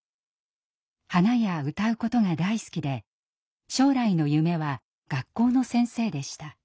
花や歌うことが大好きで将来の夢は学校の先生でした。